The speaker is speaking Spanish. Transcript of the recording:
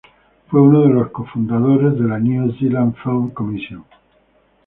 Fue uno de los cofundadores de la New Zealand Film Commission.